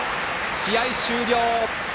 試合終了！